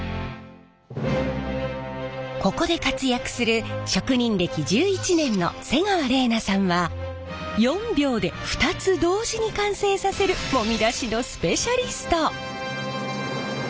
ここで活躍する職人歴１１年の瀬川れいなさんは４秒で２つ同時に完成させるもみ出しのスペシャリスト。